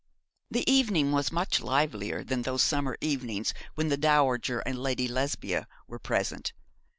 The evening was much livelier than those summer evenings when the dowager and Lady Lesbia were present.